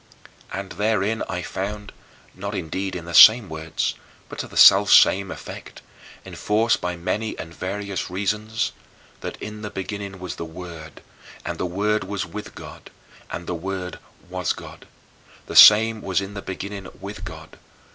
And therein I found, not indeed in the same words, but to the selfsame effect, enforced by many and various reasons that "in the beginning was the Word, and the Word was with God, and the Word was God. The same was in the beginning with God.